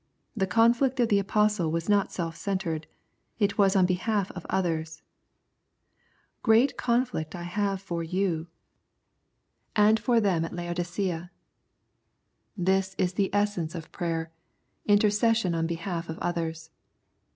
The conflict of the Apostle was not self centred. It was on behalf of others :" Great conflict I have for you, and for them at 78 Conflict and Comfort Laodicea." This is the essence of prayer intercession on behalf of others.